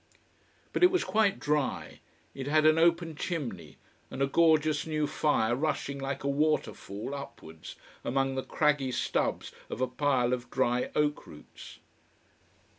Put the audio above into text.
But it was quite dry, it had an open chimney, and a gorgeous new fire rushing like a water fall upwards among the craggy stubs of a pile of dry oak roots.